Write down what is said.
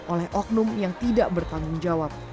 oleh oknum yang tidak bertanggung jawab